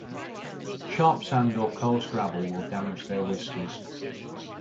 Sharp sand or coarse gravel will damage their whiskers.